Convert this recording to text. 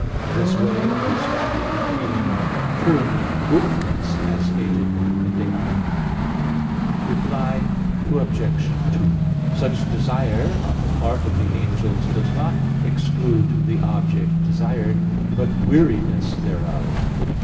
In this way understanding and feeling are termed movements, as stated in De Anima iii, text. 28. Reply Obj. 2: Such desire on the part of the angels does not exclude the object desired, but weariness thereof.